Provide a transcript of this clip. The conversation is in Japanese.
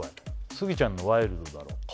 スギちゃんの「ワイルドだろぉ」